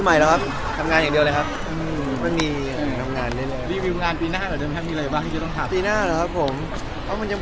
แล้วชุดปรุงใหม่มันมีอะไรบ้างยังไง